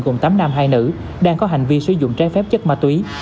gồm tám nam hai nữ đang có hành vi sử dụng trái phép chất ma túy